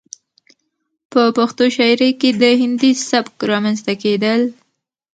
،په پښتو شاعرۍ کې د هندي سبک رامنځته کېدل